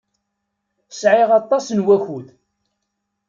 Sɛiɣ aṭas n wakud.